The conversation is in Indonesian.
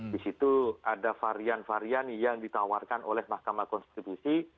di situ ada varian varian yang ditawarkan oleh mahkamah konstitusi